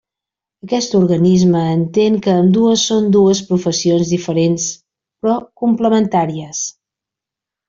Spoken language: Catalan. Aquest organisme entén que ambdues són dues professions diferents però complementàries.